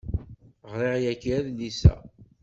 Ɣriɣ yagi adlis-a.